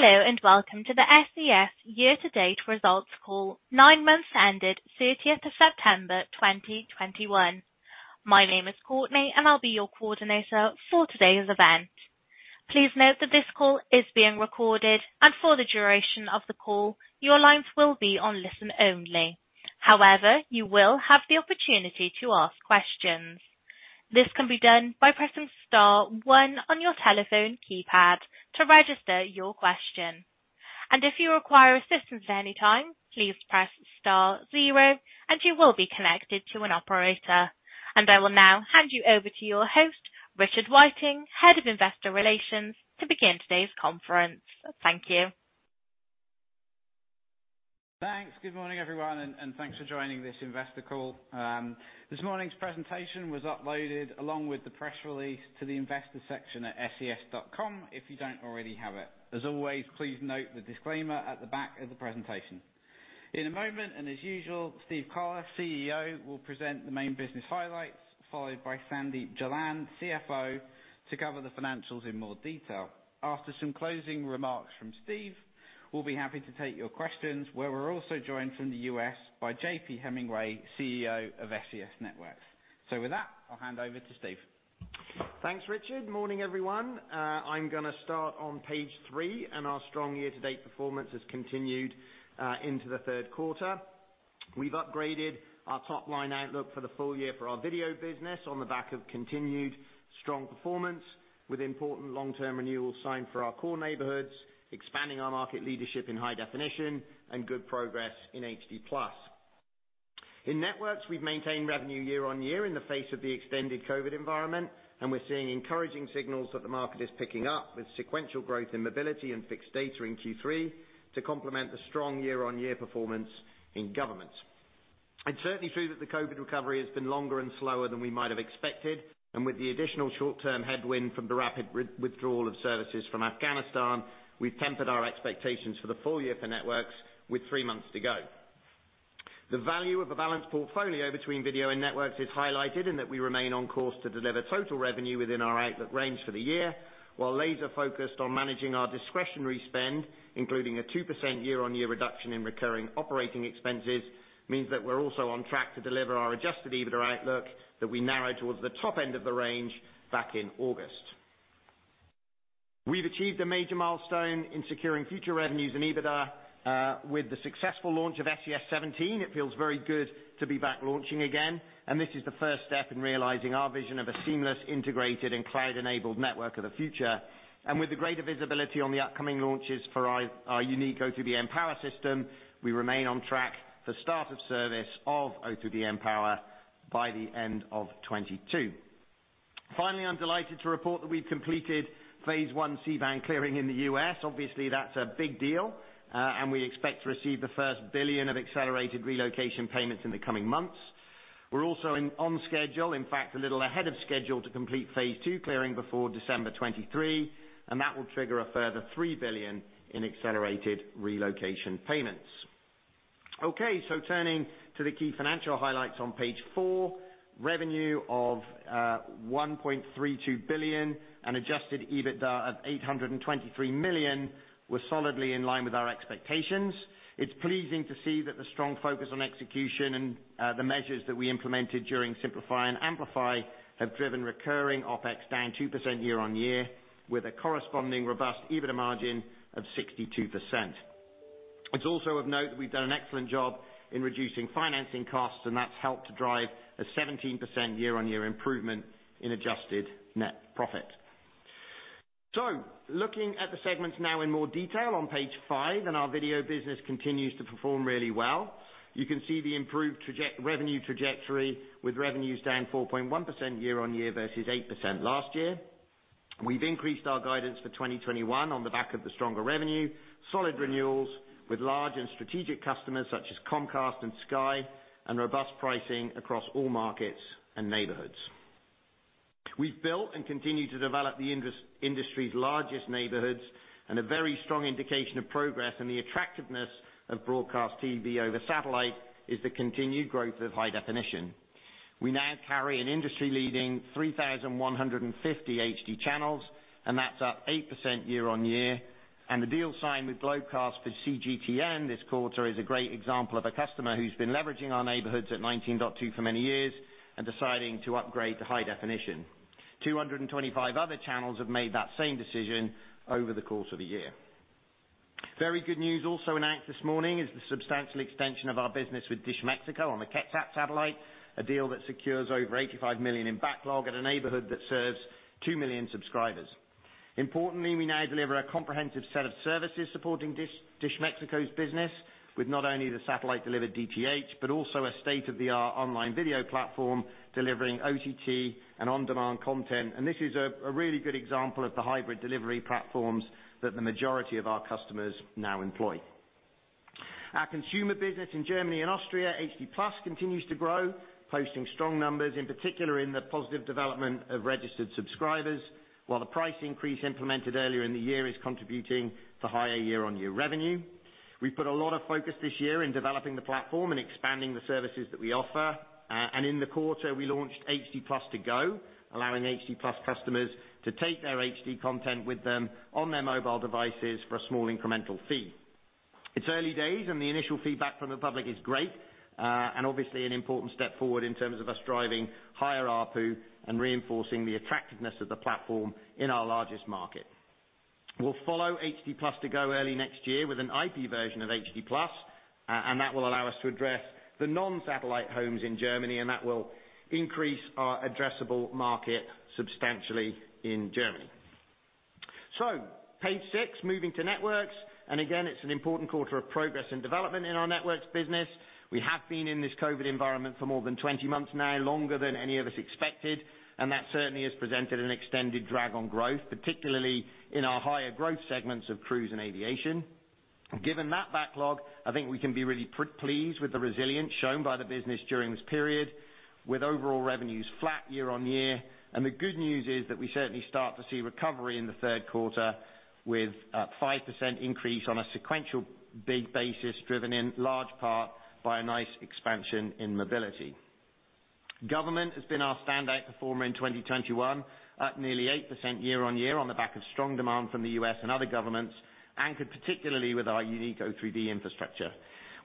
Hello, and welcome to the SES year to date results call, 9 months ended 30th of September, 2021. My name is Courtney, and I'll be your coordinator for today's event. Please note that this call is being recorded, and for the duration of the call, your lines will be on listen only. However, you will have the opportunity to ask questions. This can be done by pressing star one on your telephone keypad to register your question. If you require assistance at any time, please press star zero and you will be connected to an operator. I will now hand you over to your host, Richard Whiteing, Head of Investor Relations, to begin today's conference. Thank you. Thanks. Good morning, everyone, and thanks for joining this investor call. This morning's presentation was uploaded along with the press release to the investor section at ses.com, if you don't already have it. As always, please note the disclaimer at the back of the presentation. In a moment, and as usual, Steve Collar, CEO, will present the main business highlights, followed by Sandeep Jalan, CFO, to cover the financials in more detail. After some closing remarks from Steve, we'll be happy to take your questions where we're also joined from the U.S. by JP Hemingway, CEO of SES Networks. With that, I'll hand over to Steve. Thanks, Richard. Morning, everyone. I'm gonna start on page three, and our strong year-to-date performance has continued into the third quarter. We've upgraded our top-line outlook for the full year for our Video business on the back of continued strong performance with important long-term renewals signed for our core neighborhoods, expanding our market leadership in high definition and good progress in HD+. In Networks, we've maintained revenue year-on-year in the face of the extended COVID environment, and we're seeing encouraging signals that the market is picking up with sequential growth in mobility and fixed data in Q3 to complement the strong year-on-year performance in governments. It's certainly true that the COVID recovery has been longer and slower than we might have expected, and with the additional short-term headwind from the rapid re-withdrawal of services from Afghanistan, we've tempered our expectations for the full year for Networks with three months to go. The value of a balanced portfolio between Video and Networks is highlighted in that we remain on course to deliver total revenue within our outlook range for the year, while laser-focused on managing our discretionary spend, including a 2% year-on-year reduction in recurring operating expenses, means that we're also on track to deliver our adjusted EBITDA outlook that we narrowed towards the top end of the range back in August. We've achieved a major milestone in securing future revenues in EBITDA with the successful launch of SES-17. It feels very good to be back launching again, and this is the first step in realizing our vision of a seamless, integrated and cloud-enabled network of the future. With the greater visibility on the upcoming launches for our unique O3b mPOWER system, we remain on track for start of service of O3b mPOWER by the end of 2022. Finally, I'm delighted to report that we've completed phase I C-band clearing in the U.S. Obviously, that's a big deal, and we expect to receive the first $1 billion of accelerated relocation payments in the coming months. We're also on schedule, in fact, a little ahead of schedule to complete phase II clearing before December 2023, and that will trigger a further $3 billion in accelerated relocation payments. Okay. Turning to the key financial highlights on page four. Revenue of 1.32 billion and adjusted EBITDA of 823 million were solidly in line with our expectations. It's pleasing to see that the strong focus on execution and the measures that we implemented during Simplify & Amplify have driven recurring OpEx down 2% year-on-year with a corresponding robust EBITDA margin of 62%. It's also of note we've done an excellent job in reducing financing costs, and that's helped to drive a 17% year-on-year improvement in adjusted net profit. Looking at the segments now in more detail on page five, and our Video business continues to perform really well. You can see the improved revenue trajectory with revenues down 4.1% year-on-year versus 8% last year. We've increased our guidance for 2021 on the back of the stronger revenue, solid renewals with large and strategic customers such as Comcast and Sky, and robust pricing across all markets and neighborhoods. We've built and continue to develop the industry's largest neighborhoods, and a very strong indication of progress and the attractiveness of broadcast TV over satellite is the continued growth of high definition. We now carry an industry-leading 3,150 HD channels, and that's up 8% year-on-year. The deal signed with Globecast for CGTN this quarter is a great example of a customer who's been leveraging our neighborhoods at 19.2 for many years and deciding to upgrade to high definition. 225 other channels have made that same decision over the course of the year. Very good news also announced this morning is the substantial extension of our business with Dish Mexico on the QuetzSat satellite, a deal that secures over 85 million in backlog at a new bird that serves 2 million subscribers. Importantly, we now deliver a comprehensive set of services supporting Dish Mexico's business with not only the satellite-delivered DTH, but also a state-of-the-art online video platform delivering OTT and on-demand content, and this is a really good example of the hybrid delivery platforms that the majority of our customers now employ. Our consumer business in Germany and Austria, HD+, continues to grow, posting strong numbers, in particular in the positive development of registered subscribers, while the price increase implemented earlier in the year is contributing to higher year-on-year revenue. We've put a lot of focus this year in developing the platform and expanding the services that we offer. In the quarter, we launched HD+ ToGo, allowing HD+ customers to take their HD content with them on their mobile devices for a small incremental fee. It's early days, and the initial feedback from the public is great. Obviously an important step forward in terms of us driving higher ARPU and reinforcing the attractiveness of the platform in our largest market. We'll follow HD+ ToGo early next year with an IP version of HD+, and that will allow us to address the non-satellite homes in Germany, and that will increase our addressable market substantially in Germany. Page six, moving to Networks, and again, it's an important quarter of progress and development in our Networks business. We have been in this COVID environment for more than 20 months now, longer than any of us expected, and that certainly has presented an extended drag on growth, particularly in our higher growth segments of cruise and aviation. Given that backlog, I think we can be really pleased with the resilience shown by the business during this period, with overall revenues flat year-on-year. The good news is that we certainly start to see recovery in the third quarter with 5% increase on a sequential basis, driven in large part by a nice expansion in mobility. Government has been our standout performer in 2021, up nearly 8% year-on-year on the back of strong demand from the U.S. and other governments, and could particularly with our unique O3b infrastructure.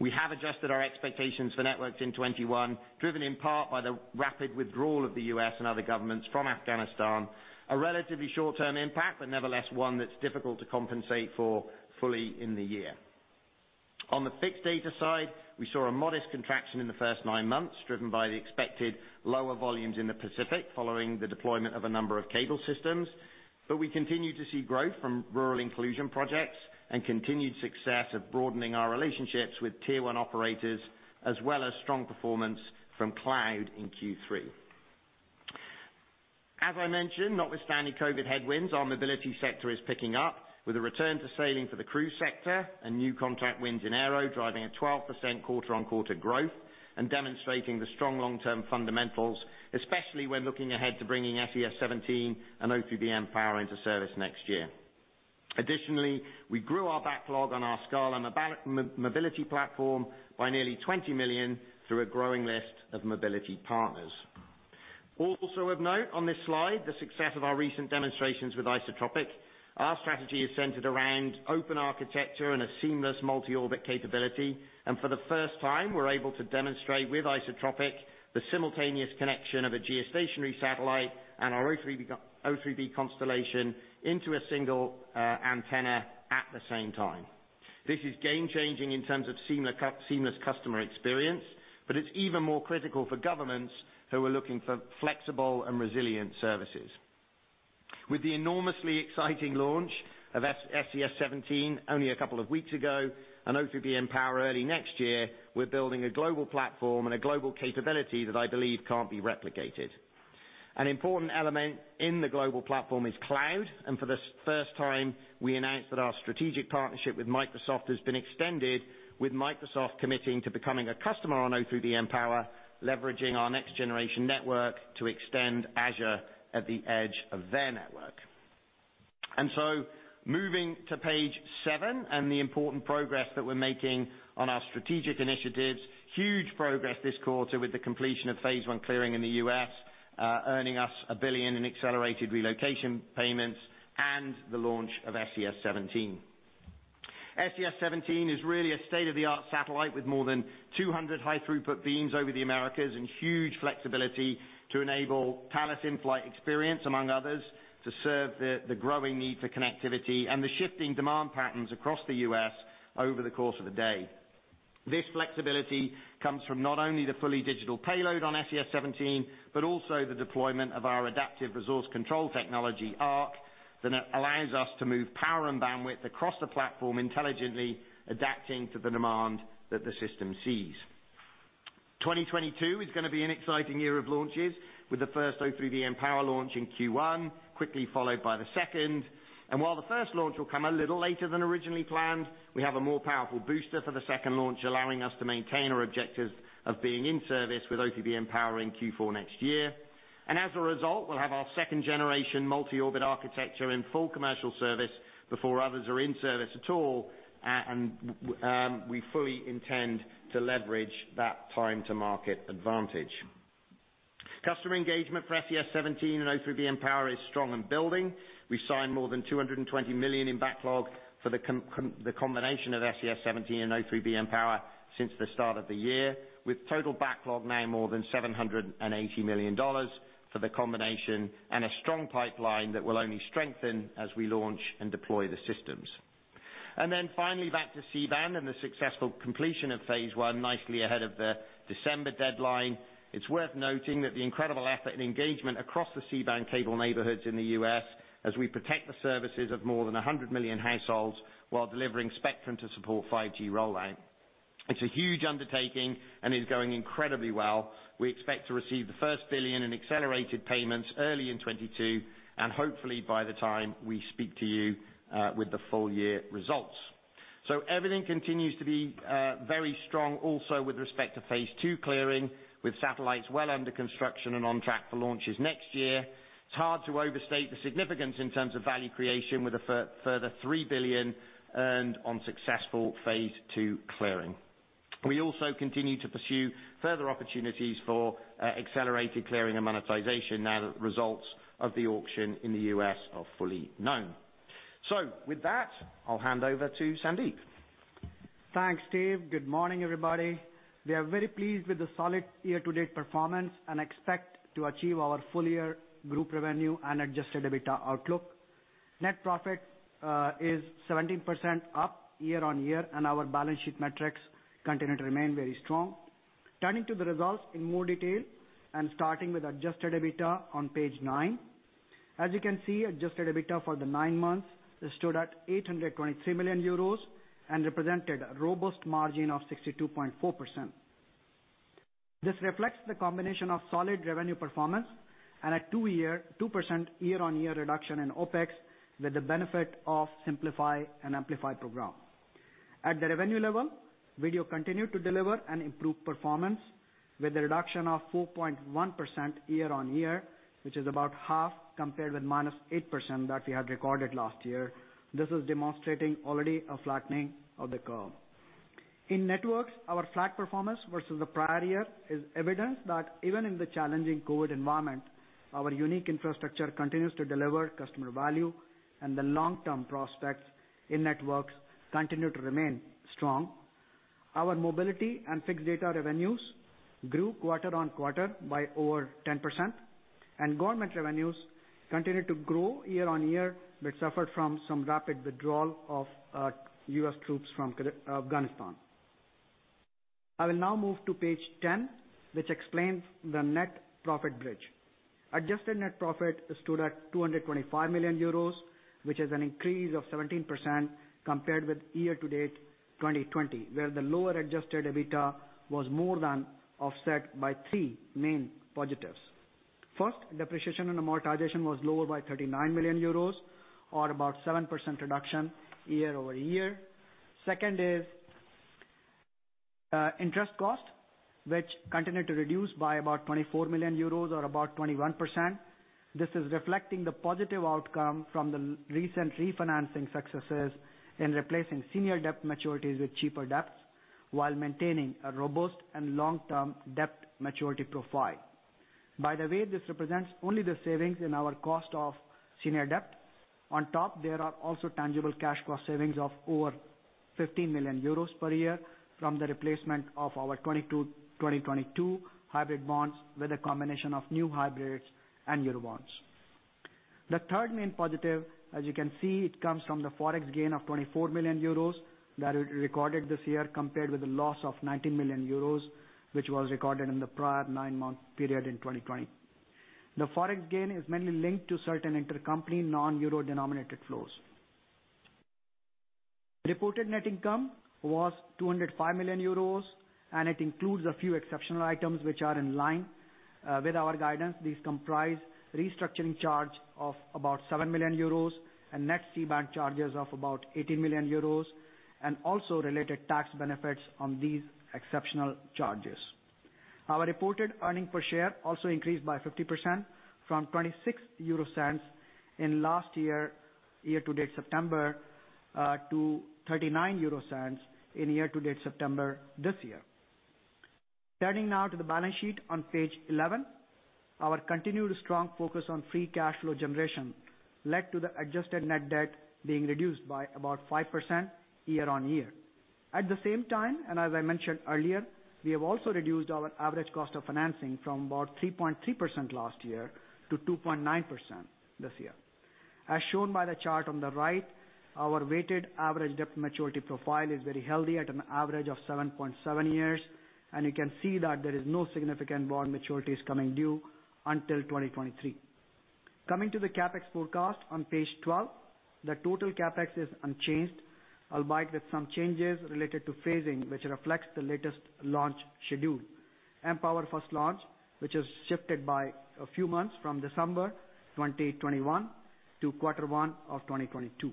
We have adjusted our expectations for Networks in 2021, driven in part by the rapid withdrawal of the U.S. and other governments from Afghanistan. A relatively short-term impact, but nevertheless, one that's difficult to compensate for fully in the year. On the fixed data side, we saw a modest contraction in the first 9 months, driven by the expected lower volumes in the Pacific following the deployment of a number of cable systems. We continue to see growth from rural inclusion projects and continued success of broadening our relationships with tier one operators, as well as strong performance from cloud in Q3. As I mentioned, notwithstanding COVID headwinds, our mobility sector is picking up with a return to sailing for the cruise sector and new contract wins in Aero, driving a 12% quarter-on-quarter growth and demonstrating the strong long-term fundamentals, especially when looking ahead to bringing SES-17 and O3b mPOWER into service next year. Additionally, we grew our backlog on our Skala mobility platform by nearly 20 million through a growing list of mobility partners. Also of note on this slide is the success of our recent demonstrations with Isotropic. Our strategy is centered around open architecture and a seamless multi-orbit capability. For the first time, we're able to demonstrate with Isotropic the simultaneous connection of a geostationary satellite and our O3b constellation into a single antenna at the same time. This is game-changing in terms of seamless customer experience, but it's even more critical for governments who are looking for flexible and resilient services. With the enormously exciting launch of SES-17 only a couple of weeks ago, and O3b mPOWER early next year, we're building a global platform and a global capability that I believe can't be replicated. An important element in the global platform is cloud, and for the first time, we announced that our strategic partnership with Microsoft has been extended, with Microsoft committing to becoming a customer on O3b mPOWER, leveraging our next generation network to extend Azure at the edge of their network. Moving to page seven and the important progress that we're making on our strategic initiatives, huge progress this quarter with the completion of phase I clearing in the U.S., earning us $1 billion in accelerated relocation payments and the launch of SES-17. SES-17 is really a state-of-the-art satellite with more than 200 high-throughput beams over the Americas and huge flexibility to enable Thales InFlyt Experience, among others, to serve the growing need for connectivity and the shifting demand patterns across the U.S. over the course of a day. This flexibility comes from not only the fully digital payload on SES-17, but also the deployment of our Adaptive Resource Control technology, ARC, that allows us to move power and bandwidth across the platform, intelligently adapting to the demand that the system sees. 2022 is gonna be an exciting year of launches, with the first O3b mPOWER launch in Q1, quickly followed by the second. While the first launch will come a little later than originally planned, we have a more powerful booster for the second launch, allowing us to maintain our objectives of being in service with O3b mPOWER in Q4 next year. As a result, we'll have our second generation multi-orbit architecture in full commercial service before others are in service at all, we fully intend to leverage that time to market advantage. Customer engagement for SES-17 and O3b mPOWER is strong and building. We signed more than $220 million in backlog for the combination of SES-17 and O3b mPOWER since the start of the year, with total backlog now more than $780 million for the combination and a strong pipeline that will only strengthen as we launch and deploy the systems. Finally back to C-band and the successful completion of phase I, nicely ahead of the December deadline. It's worth noting that the incredible effort and engagement across the C-band cable neighborhoods in the U.S. as we protect the services of more than 100 million households while delivering spectrum to support 5G rollout. It's a huge undertaking and is going incredibly well. We expect to receive the first 1 billion in accelerated payments early in 2022 and hopefully by the time we speak to you with the full year results. Everything continues to be very strong also with respect to phase II clearing, with satellites well under construction and on track for launches next year. It's hard to overstate the significance in terms of value creation with a further 3 billion earned on successful phase II clearing. We also continue to pursue further opportunities for accelerated clearing and monetization now that results of the auction in the U.S. are fully known. With that, I'll hand over to Sandeep. Thanks, Steve. Good morning, everybody. We are very pleased with the solid year-to-date performance and expect to achieve our full year group revenue and adjusted EBITDA outlook. Net profit is 17% up year-on-year, and our balance sheet metrics continue to remain very strong. Turning to the results in more detail and starting with adjusted EBITDA on page nine. As you can see, adjusted EBITDA for the nine months stood at 800.3 million euros and represented a robust margin of 62.4%. This reflects the combination of solid revenue performance and a 2% year-on-year reduction in OpEx, with the benefit of Simplify & Amplify program. At the revenue level, Video continued to deliver an improved performance with a reduction of 4.1% year-on-year, which is about half compared with -8% that we had recorded last year. This is demonstrating already a flattening of the curve. In Networks, our flat performance versus the prior year is evidence that even in the challenging COVID environment, our unique infrastructure continues to deliver customer value and the long-term prospects in Networks continue to remain strong. Our mobility and fixed data revenues grew quarter-on-quarter by over 10%, and government revenues continued to grow year-on-year, but suffered from some rapid withdrawal of U.S. troops from Afghanistan. I will now move to page ten, which explains the net profit bridge. Adjusted net profit stood at 225 million euros, which is an increase of 17% compared with year to date 2020, where the lower adjusted EBITDA was more than offset by three main positives. First, depreciation and amortization was lower by 39 million euros or about 7% reduction year-over-year. Second is interest cost, which continued to reduce by about 24 million euros or about 21%. This is reflecting the positive outcome from the recent refinancing successes in replacing senior debt maturities with cheaper debts, while maintaining a robust and long-term debt maturity profile. By the way, this represents only the savings in our cost of senior debt. On top, there are also tangible cash flow savings of over 50 million euros per year from the replacement of our 2022 hybrid bonds with a combination of new hybrids and euro bonds. The third main positive, as you can see, it comes from the FX gain of 24 million euros that we recorded this year, compared with a loss of 19 million euros, which was recorded in the prior nine-month period in 2020. The FX gain is mainly linked to certain intercompany non-euro denominated flows. Reported net income was 205 million euros and it includes a few exceptional items which are in line with our guidance. These comprise restructuring charge of about 7 million euros and net C-band charges of about 18 million euros, and also related tax benefits on these exceptional charges. Our reported earnings per share also increased by 50% from 0.26 in last year year-to-date September to 0.39 in year-to-date September this year. Turning now to the balance sheet on page 11. Our continued strong focus on free cash flow generation led to the adjusted net debt being reduced by about 5% year-on-year. At the same time, and as I mentioned earlier, we have also reduced our average cost of financing from about 3.3% last year to 2.9% this year. As shown by the chart on the right, our weighted average debt maturity profile is very healthy at an average of 7.7 years, and you can see that there is no significant bond maturities coming due until 2023. Coming to the CapEx forecast on page 12. The total CapEx is unchanged, albeit with some changes related to phasing, which reflects the latest launch schedule. mPOWER first launch, which is shifted by a few months from December 2021 to quarter one of 2022.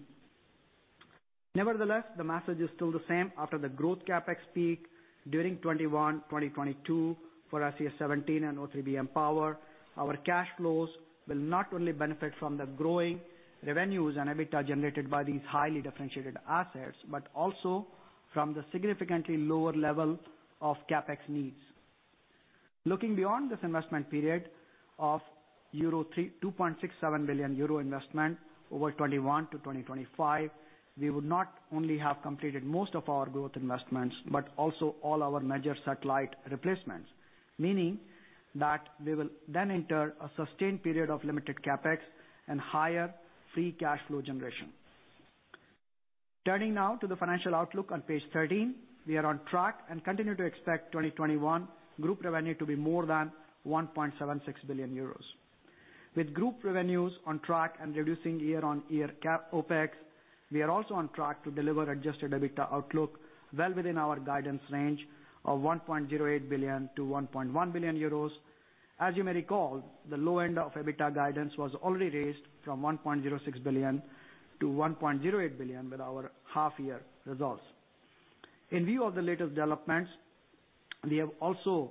Nevertheless, the message is still the same after the growth CapEx peak during 2021, 2022 for SES-17 and O3b mPOWER, our cash flows will not only benefit from the growing revenues and EBITDA generated by these highly differentiated assets, but also from the significantly lower level of CapEx needs. Looking beyond this investment period of 2.3 billion-2.67 billion euro investment over 2021 to 2025, we would not only have completed most of our growth investments, but also all our major satellite replacements. Meaning that we will then enter a sustained period of limited CapEx and higher free cash flow generation. Turning now to the financial outlook on page 13. We are on track and continue to expect 2021 Group revenue to be more than 1.76 billion euros. With group revenues on track and reducing year-on-year CapEx, we are also on track to deliver adjusted EBITDA outlook well within our guidance range of 1.08 billion-1.1 billion euros. As you may recall, the low end of EBITDA guidance was already raised from 1.06 billion to 1.08 billion with our half year results. In view of the latest developments, we have also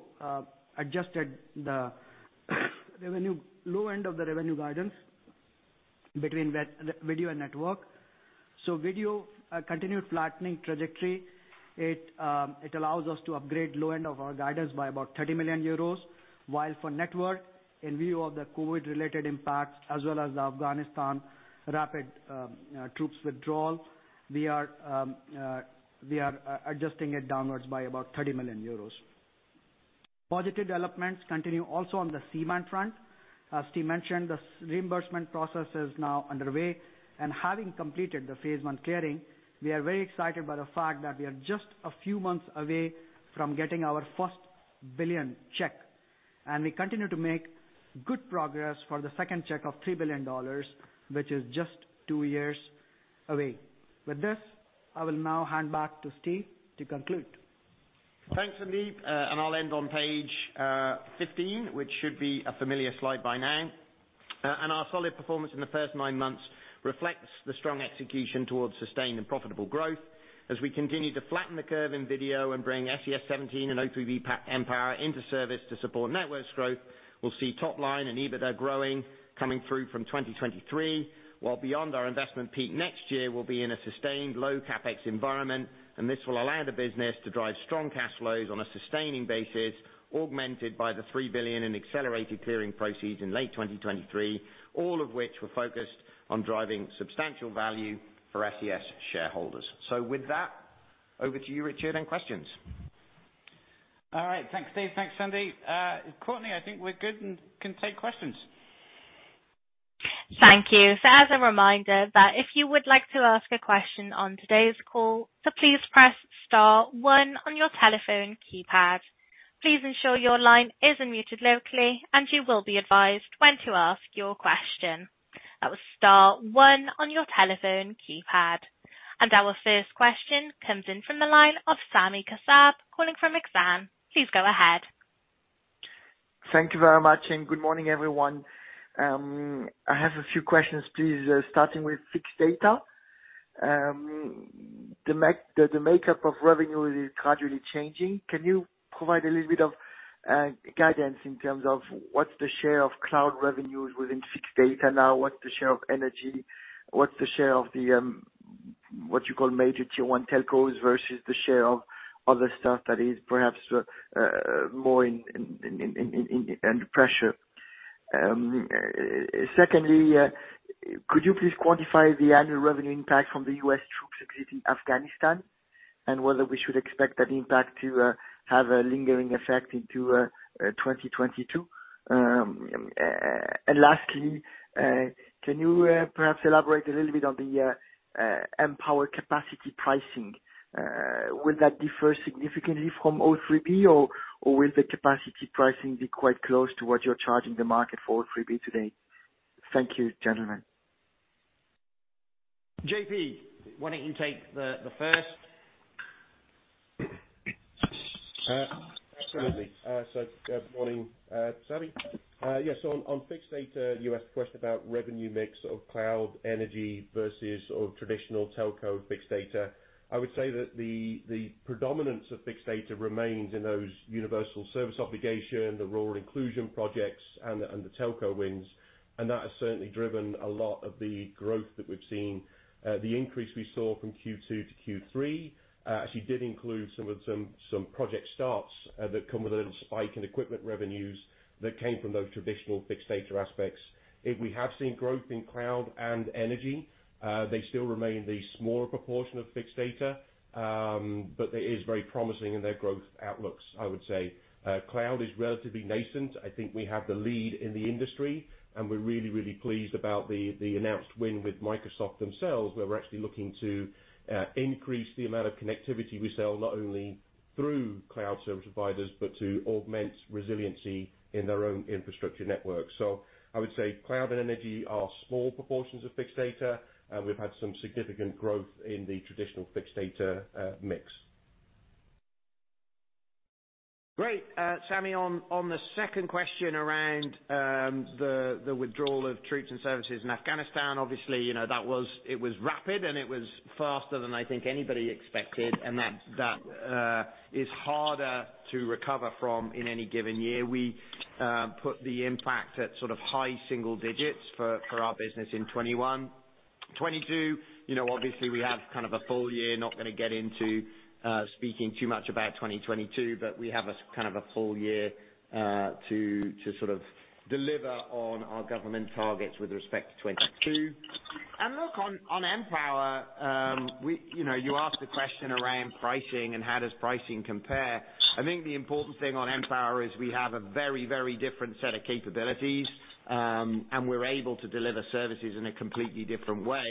adjusted the low end of the revenue guidance. Between Video and Network, Video continued flattening trajectory. It allows us to upgrade low end of our guidance by about 30 million euros. While for Network, in view of the COVID related impact as well as the Afghanistan rapid troops withdrawal, we are adjusting it downwards by about 30 million euros. Positive developments continue also on the C-band front. As Steve mentioned, the reimbursement process is now underway, and having completed the phase I clearing, we are very excited by the fact that we are just a few months away from getting our first $1 billion check. We continue to make good progress for the second check of $3 billion, which is just twoyears away. With this, I will now hand back to Steve to conclude. Thanks, Sandeep. I'll end on page 15, which should be a familiar slide by now. Our solid performance in the first nine months reflects the strong execution towards sustained and profitable growth as we continue to flatten the curve in Video and bring SES-17 and O3b mPOWER into service to support Networks growth. We'll see top line and EBITDA growing, coming through from 2023, while beyond our investment peak next year we'll be in a sustained low CapEx environment, and this will allow the business to drive strong cash flows on a sustaining basis, augmented by the 3 billion in accelerated clearing proceeds in late 2023, all of which we're focused on driving substantial value for SES shareholders. With that, over to you, Richard, and questions. All right. Thanks, Steve. Thanks, Sandeep. Courtney, I think we're good and can take questions. Thank you. As a reminder that if you would like to ask a question on today's call, to please press star one on your telephone keypad. Please ensure your line is unmuted locally and you will be advised when to ask your question. That was star one on your telephone keypad. Our first question comes in from the line of Sami Kassab, calling from Exane. Please go ahead. Thank you very much, and good morning, everyone. I have a few questions, please, starting with fixed data. The makeup of revenue is gradually changing. Can you provide a little bit of guidance in terms of what's the share of cloud revenues within fixed data now? What's the share of energy? What's the share of the what you call major tier one telcos versus the share of other stuff that is perhaps more in under pressure. Secondly, could you please quantify the annual revenue impact from the U.S. troops exiting Afghanistan? Whether we should expect that impact to have a lingering effect into 2022. Lastly, can you perhaps elaborate a little bit on the mPOWER capacity pricing? Will that differ significantly from O3b or will the capacity pricing be quite close to what you're charging the market for O3b today? Thank you, gentlemen. JP, why don't you take the first? Absolutely. Good morning, Sami. Yes. On fixed data, you asked a question about revenue mix of cloud and energy versus traditional telco fixed data. I would say that the predominance of fixed data remains in those universal service obligation, the rural inclusion projects and the telco wins, and that has certainly driven a lot of the growth that we've seen. The increase we saw from Q2 to Q3 actually did include some project starts that come with a little spike in equipment revenues that came from those traditional fixed data aspects. We have seen growth in cloud and energy, they still remain the smaller proportion of fixed data. But it is very promising in their growth outlooks, I would say. Cloud is relatively nascent. I think we have the lead in the industry, and we're really, really pleased about the announced win with Microsoft themselves, where we're actually looking to increase the amount of connectivity we sell, not only through cloud service providers, but to augment resiliency in their own infrastructure network. I would say cloud and energy are small proportions of fixed data, and we've had some significant growth in the traditional fixed data mix. Great. Sami, on the second question around the withdrawal of troops and services in Afghanistan, obviously, you know, that was rapid and it was faster than I think anybody expected. That is harder to recover from in any given year. We put the impact at sort of high single digits for our business in 2021. 2022, you know, obviously we have kind of a full year, not gonna get into speaking too much about 2022, but we have a kind of a full year to sort of deliver on our government targets with respect to 2022. Look, on mPOWER, we, you know, you asked a question around pricing and how does pricing compare. I think the important thing on mPOWER is we have a very, very different set of capabilities, and we're able to deliver services in a completely different way.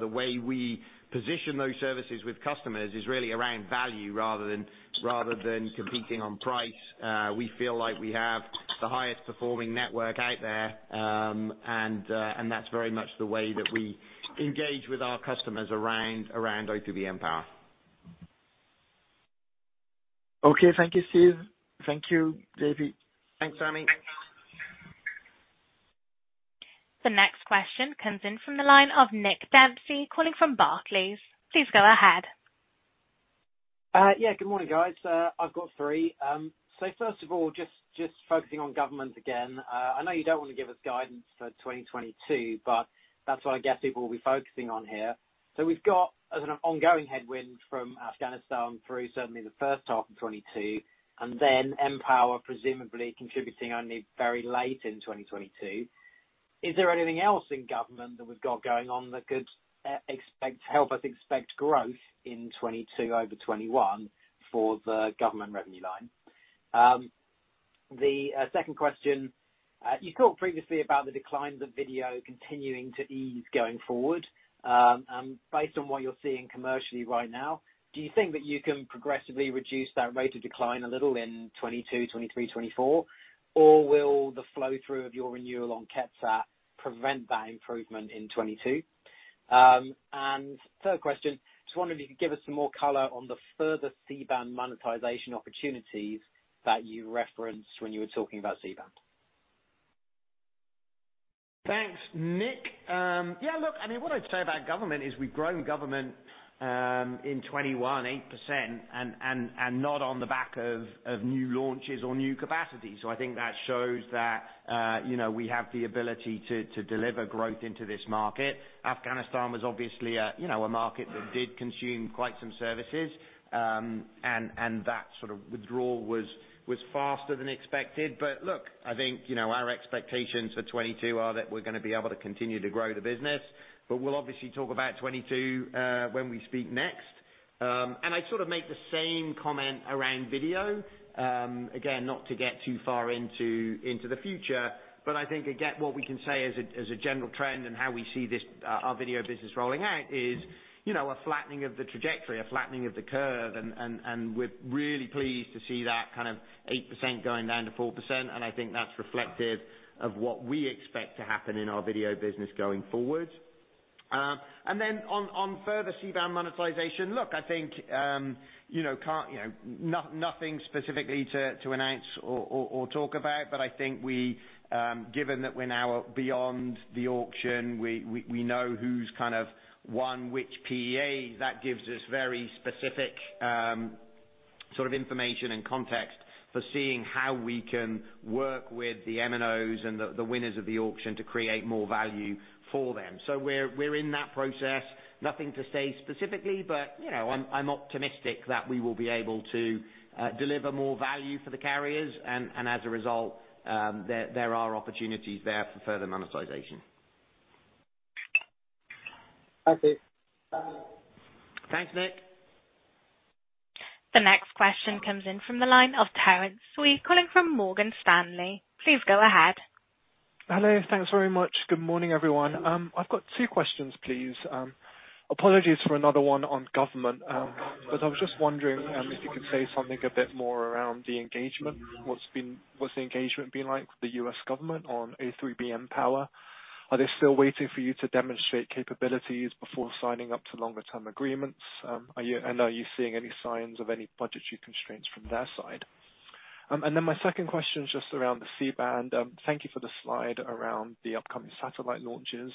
The way we position those services with customers is really around value rather than competing on price. We feel like we have the highest performing network out there, and that's very much the way that we engage with our customers around O3b mPOWER. Okay. Thank you, Steve. Thank you, JP. Thanks, Sami. The next question comes in from the line of Nick Dempsey, calling from Barclays. Please go ahead. Yeah, good morning, guys. I've got three. First of all, just focusing on government again, I know you don't wanna give us guidance for 2022, but that's what I guess people will be focusing on here. We've got as an ongoing headwind from Afghanistan through certainly the first half of 2022, and then mPOWER presumably contributing only very late in 2022. Is there anything else in government that we've got going on that could help us expect growth in 2022 over 2021 for the government revenue line? The second question, you talked previously about the declines of Video continuing to ease going forward. Based on what you're seeing commercially right now, do you think that you can progressively reduce that rate of decline a little in 2022, 2023, 2024? Will the flow through of your renewal on QuetzSat prevent that improvement in 2022? Third question, just wondered if you could give us some more color on the further C-band monetization opportunities that you referenced when you were talking about C-band? Thanks, Nick. Yeah, look, I mean, what I'd say about government is we've grown government in 2021 8% and not on the back of new launches or new capacity. I think that shows that you know we have the ability to deliver growth into this market. Afghanistan was obviously a you know a market that did consume quite some services. That sort of withdrawal was faster than expected. Look, I think you know our expectations for 2022 are that we're gonna be able to continue to grow the business, but we'll obviously talk about 2022 when we speak next. I sort of make the same comment around Video, again, not to get too far into the future, but I think again, what we can say as a general trend and how we see this our Video business rolling out is, you know, a flattening of the trajectory, a flattening of the curve, and we're really pleased to see that kind of 8% going down to 4%. I think that's reflective of what we expect to happen in our Video business going forward. Then on further C-band monetization, look, I think, you know, nothing specifically to announce or talk about, but I think we, given that we're now beyond the auction, we know who's kind of won which PEA. That gives us very specific, sort of information and context for seeing how we can work with the MNOs and the winners of the auction to create more value for them. We're in that process. Nothing to say specifically, but, you know, I'm optimistic that we will be able to deliver more value for the carriers. As a result, there are opportunities there for further monetization. That's it. Thanks, Nick. The next question comes in from the line of Terence Tsui, calling from Morgan Stanley. Please go ahead. Hello. Thanks very much. Good morning, everyone. I've got two questions, please. Apologies for another one on government. But I was just wondering if you could say something a bit more around the engagement. What's the engagement been like with the U.S. government on O3b mPOWER? Are they still waiting for you to demonstrate capabilities before signing up to longer term agreements? And are you seeing any signs of any budgetary constraints from their side? And then my second question is just around the C-band. Thank you for the slide around the upcoming satellite launches.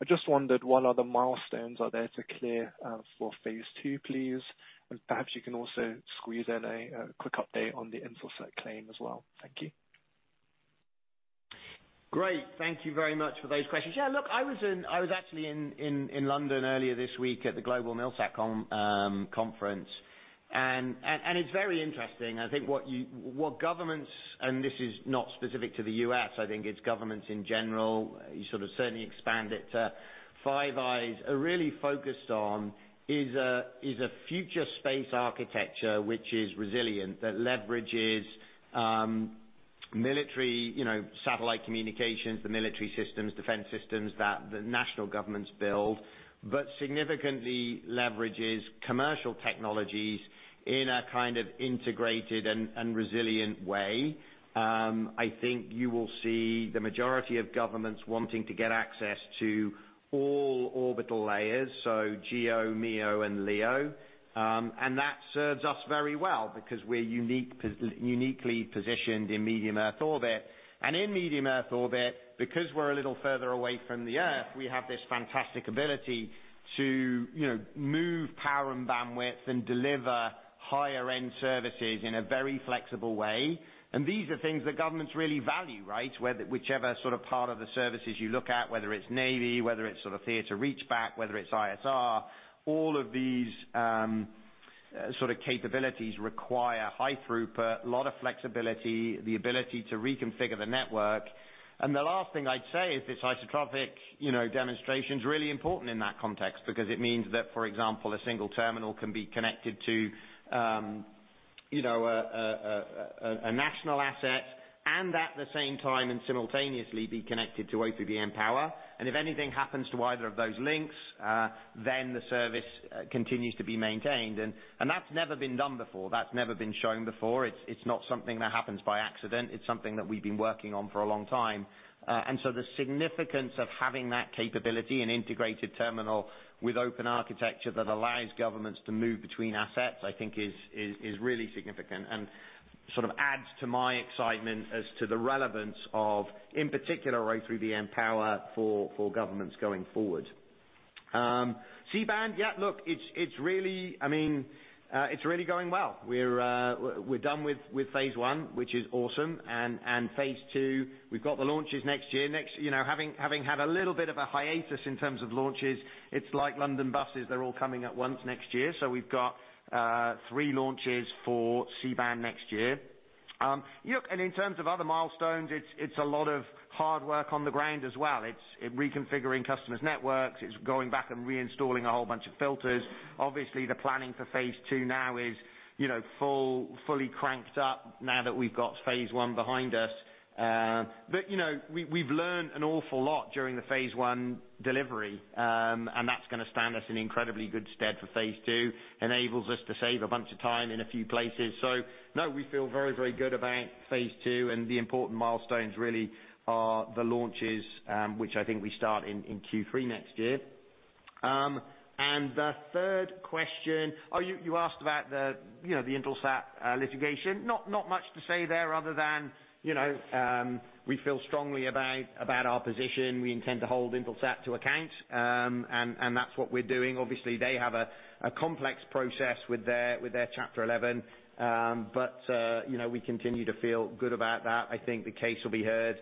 I just wondered what other milestones are there to clear for phase II, please? And perhaps you can also squeeze in a quick update on the Intelsat claim as well. Thank you. Great. Thank you very much for those questions. Yeah, look, I was actually in London earlier this week at the Global MilSatCom Conference. It's very interesting. I think what you, what governments, and this is not specific to the U.S., I think it's governments in general, you sort of certainly expand it to Five Eyes, are really focused on is a future space architecture which is resilient, that leverages military satellite communications, the military systems, defense systems that the national governments build, but significantly leverages commercial technologies in a kind of integrated and resilient way. I think you will see the majority of governments wanting to get access to all orbital layers, so GEO, MEO, and LEO. That serves us very well because we're uniquely positioned in medium earth orbit. In medium earth orbit, because we're a little further away from the Earth, we have this fantastic ability to, you know, move power and bandwidth and deliver higher-end services in a very flexible way. These are things that governments really value, right? Whether whichever sort of part of the services you look at, whether it's Navy, whether it's sort of theater reach-back, whether it's ISR, all of these sort of capabilities require high throughput, a lot of flexibility, the ability to reconfigure the network. The last thing I'd say is this Isotropic, you know, demonstration's really important in that context because it means that, for example, a single terminal can be connected to, you know, a national asset and at the same time and simultaneously be connected to O3b mPOWER. If anything happens to either of those links, then the service continues to be maintained. That's never been done before. That's never been shown before. It's not something that happens by accident. It's something that we've been working on for a long time. The significance of having that capability, an integrated terminal with open architecture that allows governments to move between assets, I think is really significant. Sort of adds to my excitement as to the relevance of, in particular, right, O3b mPOWER for governments going forward. C-band, it's really going well. We're done with phase I, which is awesome. Phase II, we've got the launches next year. Next, you know, having had a little bit of a hiatus in terms of launches, it's like London buses, they're all coming at once next year. We've got three launches for C-band next year. In terms of other milestones, it's a lot of hard work on the ground as well. It's reconfiguring customers' networks. It's going back and reinstalling a whole bunch of filters. Obviously, the planning for phase II now is, you know, fully cranked up now that we've got phase I behind us. You know, we've learned an awful lot during the phase I delivery, and that's gonna stand us in incredibly good stead for phase II. Enables us to save a bunch of time in a few places. No, we feel very, very good about phase II, and the important milestones really are the launches, which I think we start in Q3 next year. The third question. Oh, you asked about the, you know, the Intelsat litigation. Not much to say there other than, you know, we feel strongly about our position. We intend to hold Intelsat to account, and that's what we're doing. Obviously, they have a complex process with their Chapter 11. But you know, we continue to feel good about that. I think the case will be heard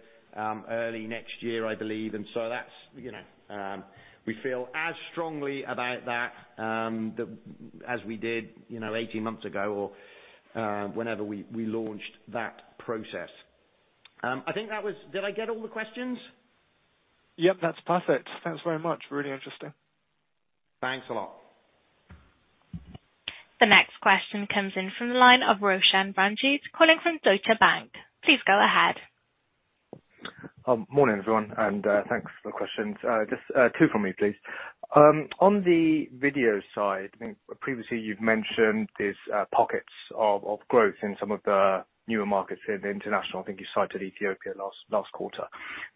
early next year, I believe. That's you know, we feel as strongly about that as we did you know, 18 months ago or whenever we launched that process. I think that was. Did I get all the questions? Yep, that's perfect. Thanks very much. Really interesting. Thanks a lot. The next question comes in from the line of Roshan Ranjit, calling from Deutsche Bank. Please go ahead. Morning, everyone, and thanks for the questions. Just two from me, please. On the Video side, I think previously you've mentioned these pockets of growth in some of the newer markets in international. I think you cited Ethiopia last quarter.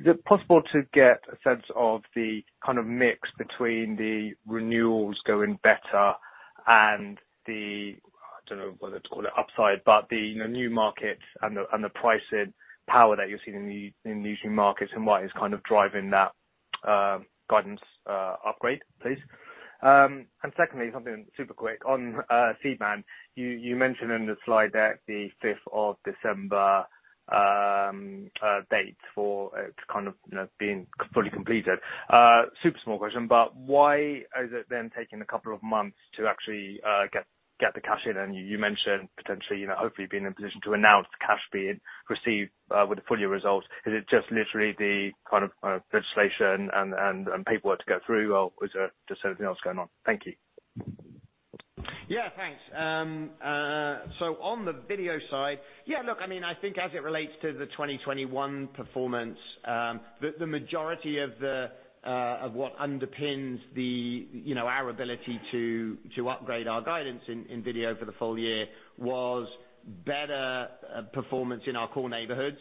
Is it possible to get a sense of the kind of mix between the renewals going better and the, I don't know whether to call it upside, but the, you know, new markets and the, and the pricing power that you're seeing in the, in these new markets and what is kind of driving that guidance upgrade, please? Secondly, something super quick. On C-band, you mentioned in the slide deck the 5th of December date for it kind of you know being fully completed. Super small question, why is it then taking a couple of months to actually get the cash in? You mentioned potentially, you know, hopefully, being in a position to announce cash being received with the full year results. Is it just literally the kind of legislation and paperwork to go through, or is there just anything else going on? Thank you. Yeah, thanks. On the Video side, yeah, look, I mean, I think as it relates to the 2021 performance, the majority of what underpins, you know, our ability to upgrade our guidance in Video for the full year was better performance in our core neighborhoods,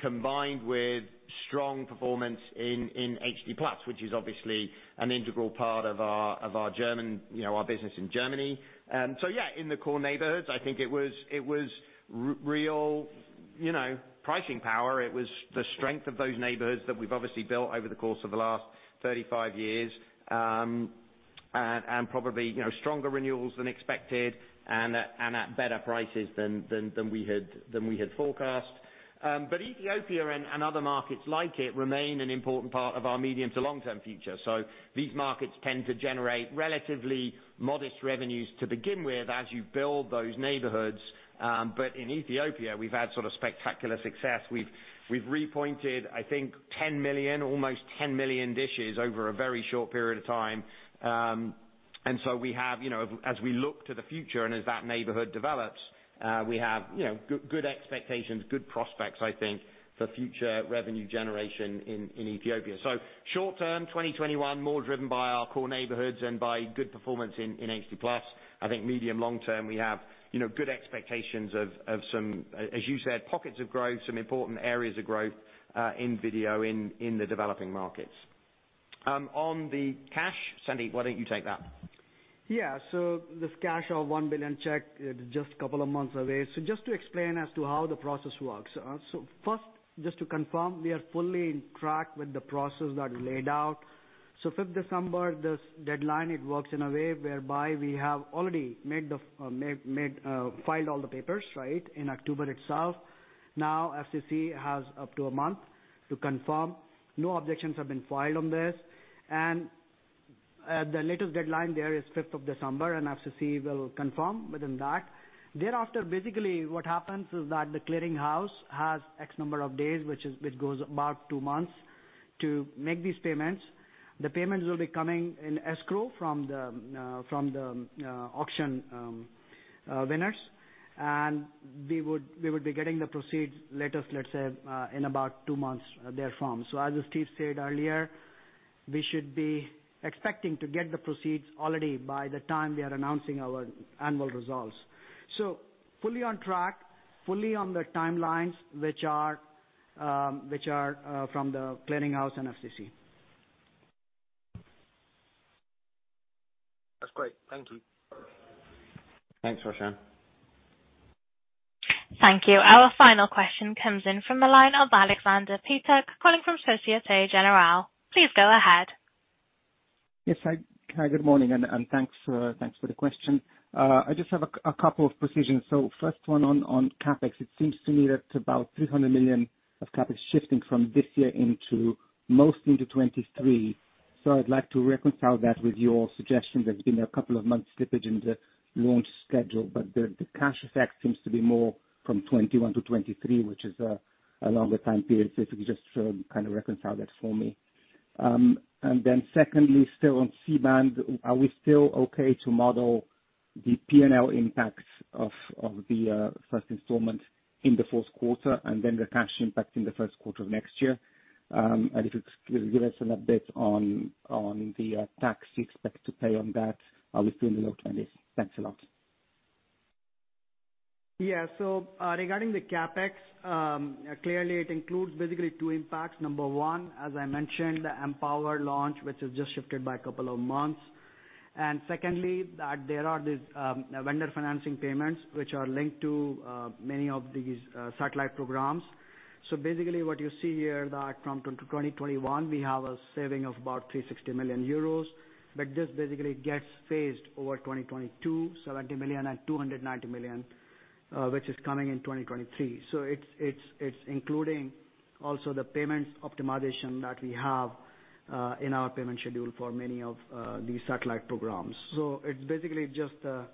combined with strong performance in HD+, which is obviously an integral part of our German, you know, our business in Germany. Yeah, in the core neighborhoods, I think it was real, you know, pricing power. It was the strength of those neighborhoods that we've obviously built over the course of the last 35 years. Probably, you know, stronger renewals than expected and at better prices than we had forecast. Ethiopia and other markets like it remain an important part of our medium to long-term future. These markets tend to generate relatively modest revenues to begin with as you build those neighborhoods. In Ethiopia, we've had sort of spectacular success. We've repointed, I think 10 million, almost 10 million dishes over a very short period of time. We have, you know, as we look to the future and as that neighborhood develops, we have, you know, good expectations, good prospects, I think, for future revenue generation in Ethiopia. Short term, 2021 more driven by our core neighborhoods and by good performance in HD+. I think medium, long term, we have, you know, good expectations of some, as you said, pockets of growth, some important areas of growth, in Video in the developing markets. On the cash, Sandeep, why don't you take that? Yeah. This cash of 1 billion check is just a couple of months away. Just to explain as to how the process works. First, just to confirm, we are fully on track with the process that laid out. 5th December, this deadline, it works in a way whereby we have already filed all the papers, right, in October itself. Now, FCC has up to a month to confirm. No objections have been filed on this. The latest deadline there is 5th of December, and FCC will confirm within that. Thereafter, basically, what happens is that the clearing house has a number of days, which is it goes about two months, to make these payments. The payments will be coming in escrow from the auction winners. We would be getting the proceeds latest, let's say, in about two months therefrom. As Steve said earlier, we should be expecting to get the proceeds already by the time we are announcing our annual results. Fully on track, fully on the timelines, which are from the clearing house and FCC. Thank you. Thanks, Roshan. Thank you. Our final question comes in from the line of Aleksander Peterc calling from Société Générale. Please go ahead. Yes, hi. Hi, good morning, and thanks for the question. I just have a couple of precision. First one on CapEx. It seems to me that about 300 million of CapEx shifting from this year into mostly 2023. I'd like to reconcile that with your suggestion. There's been a couple of months slippage in the launch schedule, but the cash effect seems to be more from 2021 to 2023, which is a longer time period. If you just kind of reconcile that for me. And then secondly, still on C-band, are we still okay to model the P&L impacts of the first installment in the fourth quarter and then the cash impact in the first quarter of next year? If you could give us an update on the tax you expect to pay on that between the low twenties. Thanks a lot. Yeah. Regarding the CapEx, clearly it includes basically two impacts. Number one, as I mentioned, the mPower launch, which is just shifted by a couple of months. Secondly, that there are these vendor financing payments, which are linked to many of these satellite programs. Basically what you see here that from 2021 we have a saving of about 360 million euros, but this basically gets phased over 2022, 70 million and 290 million, which is coming in 2023. It's including also the payments optimization that we have in our payment schedule for many of these satellite programs. It's basically just a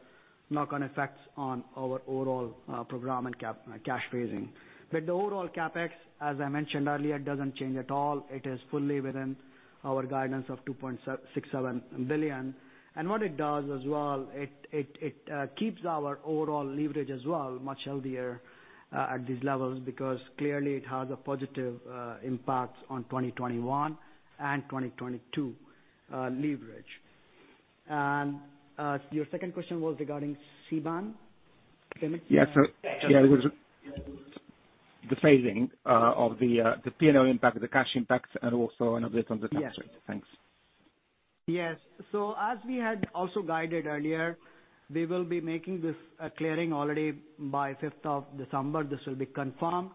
knock-on effects on our overall program and cash raising. The overall CapEx, as I mentioned earlier, doesn't change at all. It is fully within our guidance of 2.667 billion. What it does as well keeps our overall leverage as well much healthier at these levels, because clearly it has a positive impact on 2021 and 2022 leverage. Your second question was regarding C-band payment? Yeah, it was the phasing of the P&L impact of the cash impacts and also an update on the tax rate. Yes. Thanks. Yes. As we had also guided earlier, we will be making this clearing already by 5th of December. This will be confirmed.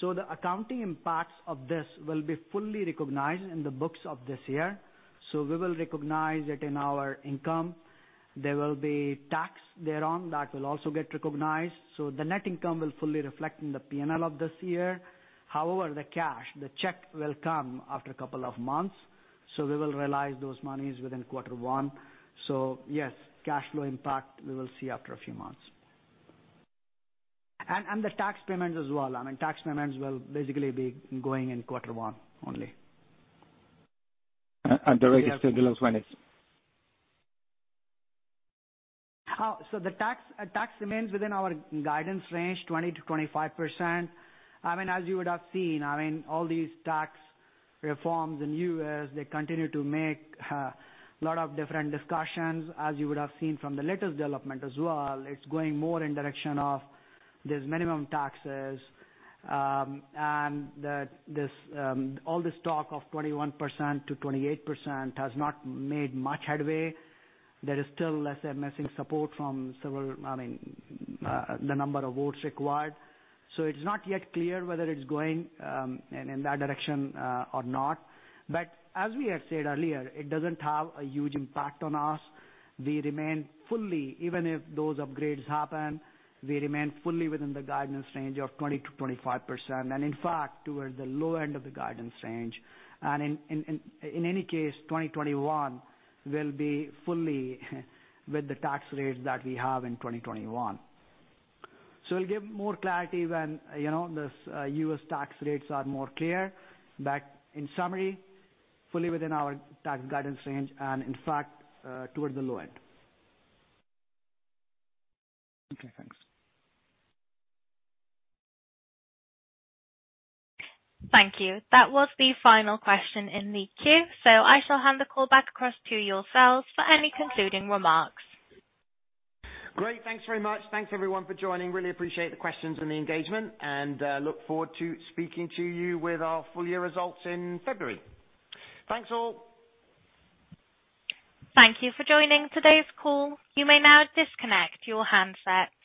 The accounting impacts of this will be fully recognized in the books of this year, we will recognize it in our income. There will be tax thereon that will also get recognized. The net income will fully reflect in the P&L of this year. However, the cash, the check will come after a couple of months, so we will realize those monies within quarter one. Yes, cash flow impact we will see after a few months. The tax payments as well. I mean, tax payments will basically be going in quarter one only. The rate is still low 20s. The tax remains within our guidance range, 20%-25%. I mean, as you would have seen, I mean, all these tax reforms in U.S., they continue to make a lot of different discussions. As you would have seen from the latest development as well, it's going more in the direction of this minimum taxes. All the talk of 21%-28% has not made much headway. There is still missing support from several, I mean, the number of votes required. It's not yet clear whether it's going in that direction or not. As we have said earlier, it doesn't have a huge impact on us. We remain fully... even if those upgrades happen, we remain fully within the guidance range of 20%-25%, and in fact, towards the low end of the guidance range. In any case, 2021 will be fully with the tax rates that we have in 2021. We'll give more clarity when, you know, this U.S. tax rates are more clear. In summary, fully within our tax guidance range and in fact, towards the low end. Okay, thanks. Thank you. That was the final question in the queue. I shall hand the call back across to yourselves for any concluding remarks. Great. Thanks very much. Thanks everyone for joining. Really appreciate the questions and the engagement, and look forward to speaking to you with our full year results in February. Thanks all. Thank you for joining today's call. You may now disconnect your handsets.